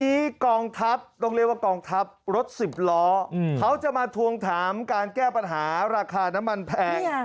ทีนี้กองทัพต้องเรียกว่ากองทัพรถสิบล้อเขาจะมาทวงถามการแก้ปัญหาราคาน้ำมันแพง